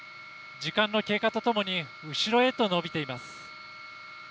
時間の経過とともに後ろへと延びています。